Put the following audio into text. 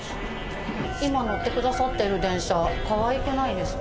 今乗ってくださってる電車かわいくないですか？